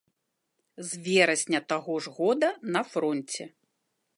З верасня таго ж года на фронце.